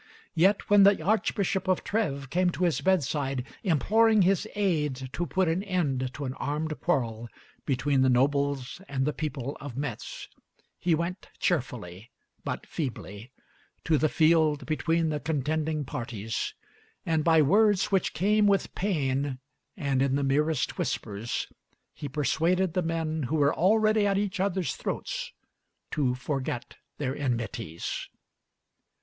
Yet when the archbishop of Trèves came to his bedside, imploring his aid to put an end to an armed quarrel between the nobles and the people of Metz, he went cheerfully but feebly to the field between the contending parties, and by words which came with pain and in the merest whispers, he persuaded the men who were already at each other's throats to forget their enmities.